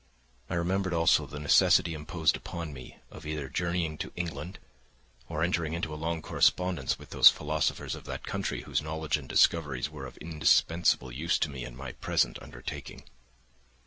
I remembered also the necessity imposed upon me of either journeying to England or entering into a long correspondence with those philosophers of that country whose knowledge and discoveries were of indispensable use to me in my present undertaking.